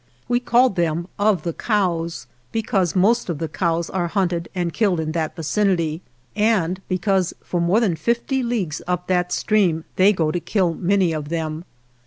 We called them "of the cows," because most of the cows die near there, 49 and because for more than fifty leagues up that stream they go to kill many of them.